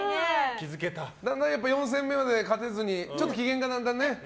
だんだん４戦目まで勝てずにちょっと機嫌がだんだんね。